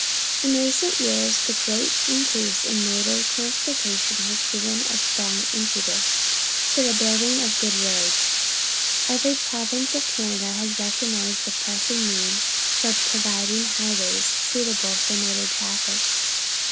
In recent years the great increase in motor transportation has given a strong impetus to the building of good roads. Every pro\'ince of Canada has recognized the pressing need of providing highways suitable for motor traffic.